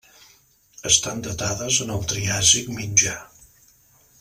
Estan datades en el Triàsic Mitjà.